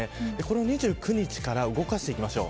この２９日から動かしていきましょう。